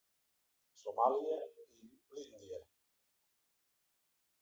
Somàlia i l'Índia.